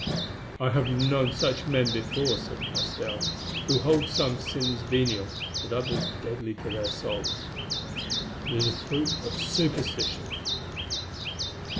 "I have known such men before," said Castell, "who hold some sins venial, but others deadly to their souls. It is a fruit of superstition."